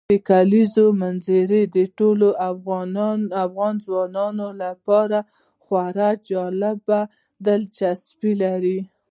د کلیزو منظره د ټولو افغان ځوانانو لپاره یوه خورا جالب دلچسپي لري.